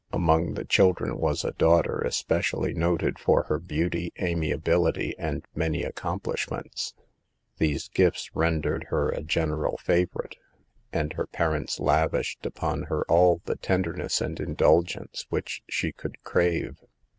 Among the children was a daughter especially noted for her beauty, amiability and many accomplishments. These gifts rendered her a general favorite, and her parents lavished upon her all the tenderness and indulgence which she could crave.